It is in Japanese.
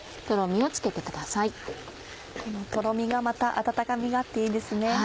このトロミがまた温かみがあっていいですね。